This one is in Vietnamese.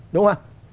đúng không ạ